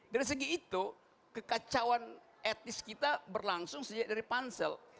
dari segi itu kekacauan etis kita berlangsung sejak dari pansel